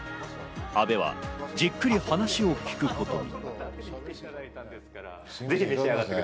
阿部はじっくり話を聞くことに。